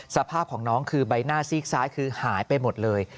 สภาพของน้องคือใบหน้าซีกซ้ายคือหายไปหมดเลย